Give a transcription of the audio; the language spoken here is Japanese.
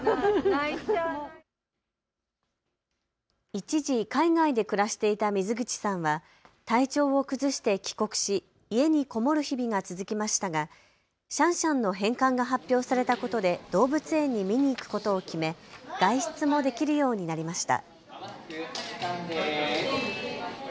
一時、海外で暮らしていた水口さんは体調を崩して帰国し家にこもる日々が続きましたがシャンシャンの返還が発表されたことで動物園に見に行くことを決め、外出もできるようになりました。